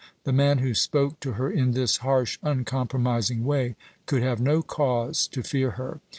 The man who spoke to her in this harsh uncompromising way could have no cause to fear her.